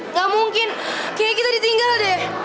nggak mungkin kayaknya kita ditinggal deh